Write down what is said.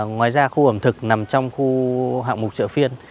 ngoài ra khu ẩm thực nằm trong khu hạng mục trợ phiên